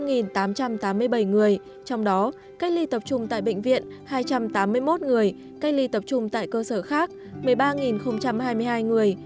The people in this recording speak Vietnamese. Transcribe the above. một tám trăm tám mươi bảy người trong đó cách ly tập trung tại bệnh viện hai trăm tám mươi một người cách ly tập trung tại cơ sở khác một mươi ba hai mươi hai người